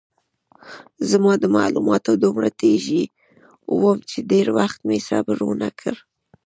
زه د معلوماتو دومره تږی وم چې ډېر وخت مې صبر ونه کړ.